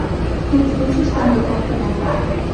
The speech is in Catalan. Tots dos estan d'acord amb el pacte.